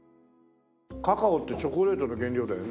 カカオってチョコレートの原料だよね？